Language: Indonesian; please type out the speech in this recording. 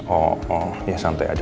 oh ya santai aja